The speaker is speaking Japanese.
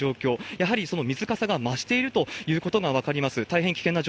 やはりその水かさが増しているということが分かります。